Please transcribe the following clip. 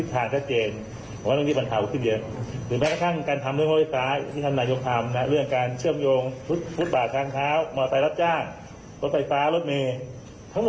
ทั้งหมดเนี่ยคือภาพรวมของการเดินทาง